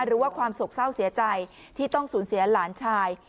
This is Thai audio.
หรือว่าความโศกเศร้าเสียใจที่ต้องสูญเสียหลานชาย